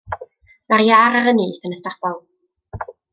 Mae'r iâr ar y nyth yn y stabl.